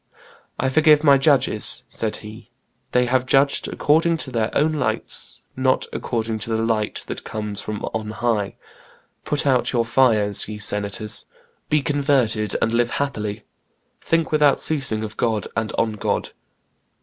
"I forgive my judges," said he; "they have judged according to their own lights, not according to the light that comes from on high. Put out your fires, ye senators; be converted, and live happily. Think without ceasing of God and on God."